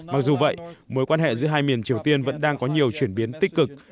mặc dù vậy mối quan hệ giữa hai miền triều tiên vẫn đang có nhiều chuyển biến tích cực